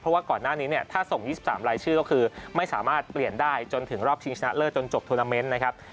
เพราะว่าก่อนหน้านี้เนี่ยถ้าส่ง๒๓รายชื่อก็คือไม่สามารถเปลี่ยนได้จนถึงรอบชิงชนะเลิศจนจบทวนาเมนต์นะครับ